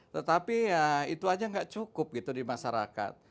tetapi ya itu aja nggak cukup gitu di masyarakat